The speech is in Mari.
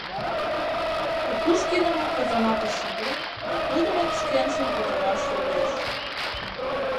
Кукушкинымак казаматыш шынден да тудымак шкенжым утараш йодеш.